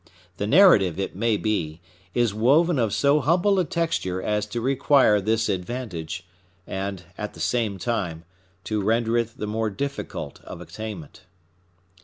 The narrative, it may be, is woven of so humble a texture as to require this advantage, and, at the same time, to render it the more difficult of attainment.